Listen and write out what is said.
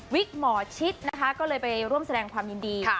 หมอชิดนะคะก็เลยไปร่วมแสดงความยินดี